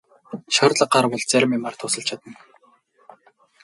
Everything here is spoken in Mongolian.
Шаардлага гарвал зарим юмаар тусалж чадна.